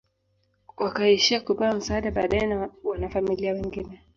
Wakaishia kupewa msaada baadae na wanafamilia wengine